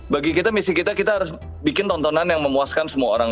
bagi kita misi kita kita harus bikin tontonan yang memuaskan semua orang